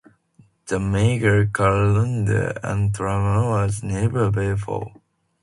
The merger collapsed, and the transmitter was never paid for.